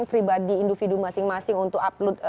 pribadi individu masing masing untuk upload